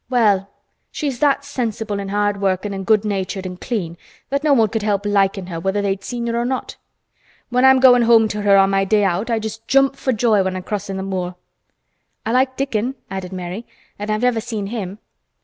"Well, she's that sensible an' hard workin' an' good natured an' clean that no one could help likin' her whether they'd seen her or not. When I'm goin' home to her on my day out I just jump for joy when I'm crossin' the moor." "I like Dickon," added Mary. "And I've never seen him."